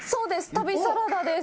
「旅サラダ」です。